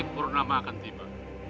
purnama akan tiba